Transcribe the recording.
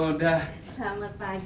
ya apa kabar